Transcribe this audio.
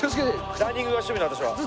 ランニングが趣味私は。